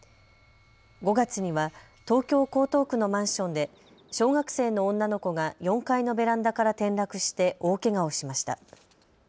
５月には東京江東区のマンションで小学生の女の子が４階のベランダから転落して大けがをしました。